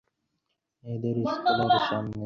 মেয়েদের স্কুলের সামনে একতলা বাড়ি।